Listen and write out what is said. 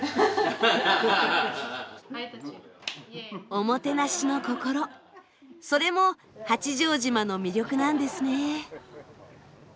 おもてなしの心それも八丈島の魅力なんですね。